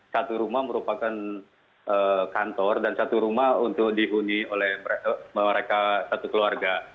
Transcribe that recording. satu rumah merupakan kantor dan satu rumah untuk dihuni oleh mereka satu keluarga